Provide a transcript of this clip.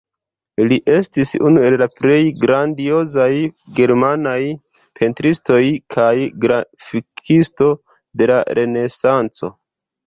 Li estis unu el la plej grandiozaj germanaj pentristoj kaj grafikisto de la Renesanco.